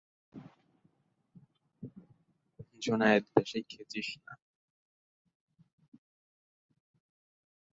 যুদ্ধ, বর্ম, অস্ত্র, ঘোড়া, মরু ও সেসময়ের বিভিন্ন থিমের উপস্থিতি তার কবিতাকে ঐতিহাসিক ও সাংস্কৃতিকভাবে গুরুত্বপূর্ণ করে তুলে।